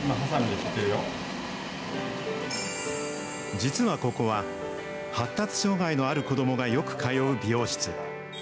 実はここは、発達障害のある子どもがよく通う美容室。